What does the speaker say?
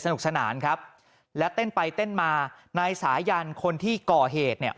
สนานครับและเต้นไปเต้นมานายสายันคนที่ก่อเหตุเนี่ย